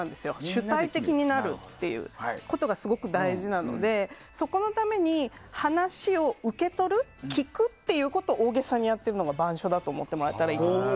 主体的になるということがすごく大事なのでそのために話を受け取る聞くということを大げさにやっているのが板書だと思ってもらえたらいいかなと。